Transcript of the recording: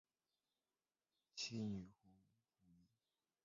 七女湖起义旧址的历史年代为清代。